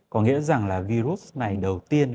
có nghĩa rằng virus này đầu tiên